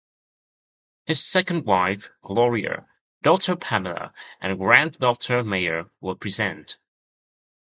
His second wife, Gloria, daughter Pamela, and granddaughter Maya were present.